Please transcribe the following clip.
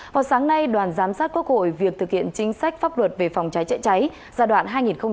vào sáng nay đoàn giám sát quốc hội việc thực hiện chính sách pháp luật về phòng cháy chữa cháy giai đoạn hai nghìn một mươi bốn hai nghìn một mươi tám